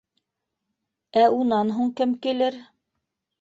Ә унан һуң кем килер?